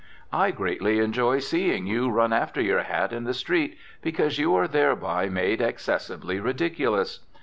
I greatly enjoy seeing you run after your hat in the street, because you are thereby made excessively ridiculous.